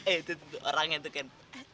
eh itu tuh orangnya itu ken